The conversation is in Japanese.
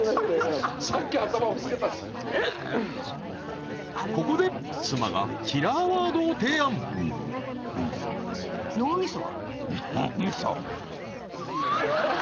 さっき頭ぶつけたしここで妻がキラーワードを提案脳みそ？